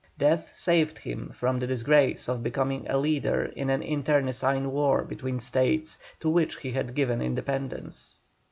Death saved him from the disgrace of becoming a leader in an internecine war between States to which he had given independence.